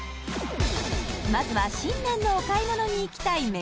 まずは新年のお買い物に行きたい